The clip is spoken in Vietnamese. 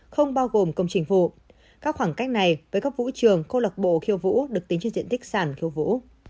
không bao gồm công trình vụ các khoảng cách này với các vũ trường cô lạc bộ khiêu vũ được tính trên diện tích sản khiêu vũ